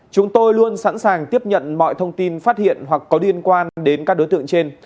chúng tôi luôn sẵn sàng tiếp nhận mọi thông tin phát hiện hoặc có liên quan đến các đối tượng trên